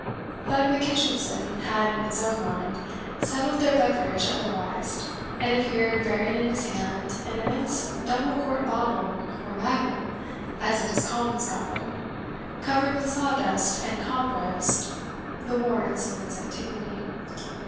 But Mackitchinson had, in his own mind, settled their beverage otherwise, and appeared bearing in his hand an immense double quart bottle, or magnum, as it is called in Scotland, covered with saw dust and cobwebs, the warrants of its antiquity.